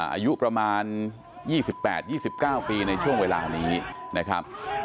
อายุประมาณ๒๘๒๙ปีในช่วงเวลานี้นะครับ